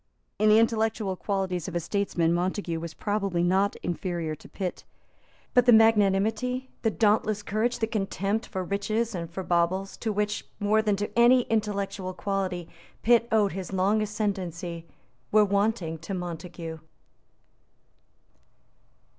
In the intellectual qualities of a statesman Montague was probably not inferior to Pitt. But the magnanimity, the dauntless courage, the contempt for riches and for baubles, to which, more than to any intellectual quality, Pitt owed his long ascendency, were wanting to Montague.